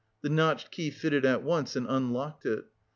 The notched key fitted at once and unlocked it.